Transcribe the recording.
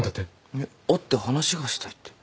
いや会って話がしたいって。